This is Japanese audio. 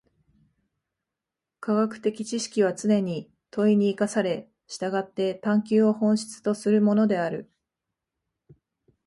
科学的知識はつねに問に生かされ、従って探求を本質とするものである。